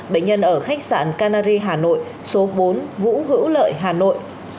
bệnh nhân ở khách sạn canary hà nội số bốn vũ hữu lợi hà nội